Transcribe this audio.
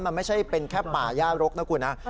มันไม่ใช่เป็นแค่ป่าย่ารกนะคุณนะ